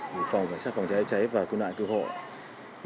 về phòng cháy chữa cháy và cư nạn cư hội